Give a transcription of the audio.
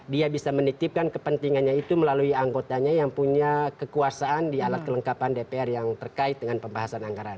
dia bisa menitipkan kepentingannya itu melalui anggotanya yang punya kekuasaan di alat kelengkapan dpr yang terkait dengan pembahasan anggaran